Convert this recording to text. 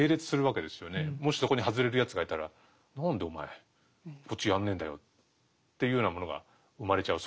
もしそこに外れるやつがいたら「何でお前こっちやんねえんだよ」っていうようなものが生まれちゃう。